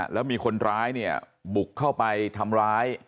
แล้วมีคนร้ายเนี่ยบุกเข้าไปทำร้าย